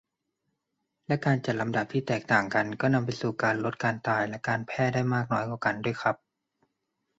และการจัดลำดับที่แตกต่างกัน ก็นำไปสู่การลดการตายและการแพร่ได้มากน้อยกว่ากันด้วยครับ